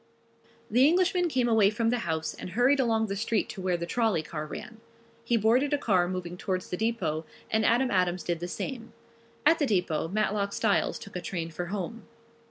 The Englishman came away from the house and hurried along the street to where the trolley car ran. He boarded a car moving towards the depot and Adam Adams did the same. At the depot Matlock Styles took a train for home.